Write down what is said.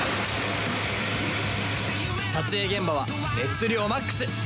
撮影現場は熱量マックス！